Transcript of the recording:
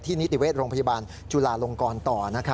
นิติเวชโรงพยาบาลจุลาลงกรต่อ